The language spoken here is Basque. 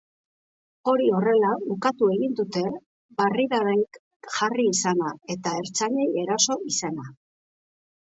Hori horrela, ukatu egin dute barrikadarik jarri izana eta ertzainei eraso izana.